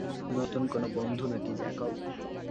নতুন কোনো বন্ধু নাকি, জ্যাকব?